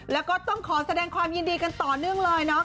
แล้วก็ต้องขอแสดงความยินดีกันต่อเนื่องเลยเนาะ